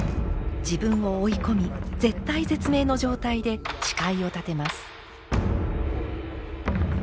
自分を追い込み絶体絶命の状態で誓いを立てます。